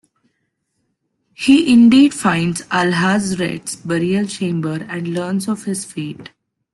He indeed finds Alhazred's burial chamber and learns of his fate.